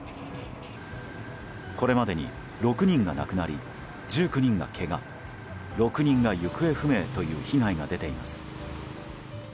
これまでに６人が亡くなり１９人がけが６人が行方不明という被害が出ています。